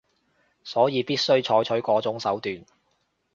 所以必須採取嗰種手段